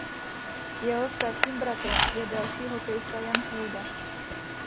Jeho starším bratrem je další hokejista Jan Hejda.